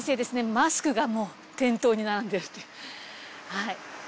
マスクが店頭に並んでいるという。